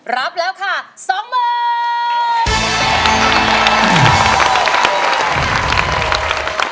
รับแล้วค่ะ๒มือ